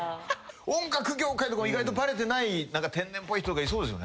音楽業界とかも意外とバレてない天然っぽい人とかいそうですよね。